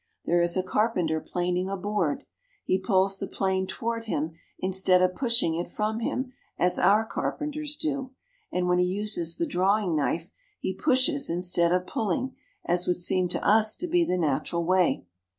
There is a car penter planing a board. He pulls the plane toward him instead of pushing it from him as our carpenters do ; and when he uses the drawing knife, he pushes instead of Japanese Cooper. pulling, as would seem to us to be the natural way.